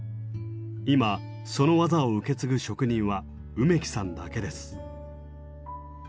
今その技を受け継ぐ職人は梅木さんだけです。